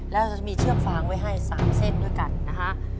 แล้วเราจะมีเชือกฟางไว้ให้๓เส้นด้วยกันนะฮะ